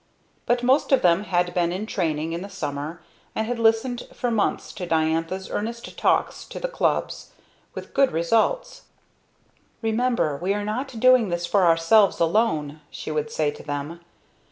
But most of them had been in training in the summer, and had listened for months to Diantha's earnest talks to the clubs, with good results. "Remember we are not doing this for ourselves alone," she would say to them.